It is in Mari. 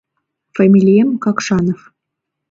Фамилием — Какшанов.